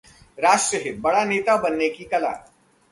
राष्ट्र हितः बड़ा नेता बनने की कला